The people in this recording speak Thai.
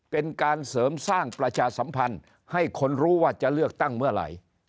เป็นการเสริมสร้างประชาสัมพันธ์ให้คนรู้ว่าจะเลือกตั้งเมื่อไหร่